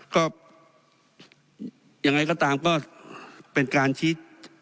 ก็ยังไงก็ตามก็เป็นการชี้